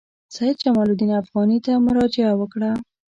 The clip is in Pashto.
سید جمال الدین افغاني ته مراجعه وکړه.